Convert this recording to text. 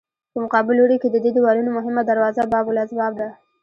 په مقابل لوري کې د دې دیوالونو مهمه دروازه باب الاسباب ده.